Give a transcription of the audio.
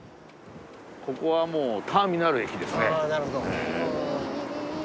ここはもうターミナル駅ですね。